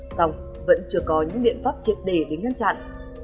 xong vẫn chưa có những biện pháp triệt để để ngăn chặn